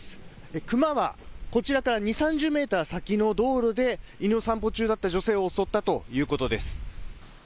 クマはこちらから２０、３０メートル先の道路で犬の散歩中だった女性を襲ったということです。